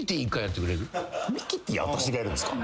ミキティー私がやるんですか？